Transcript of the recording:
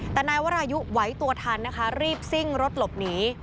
แต่นายวรายุไหวตัวทันนะคะรีบซิ่งรถหลบหนี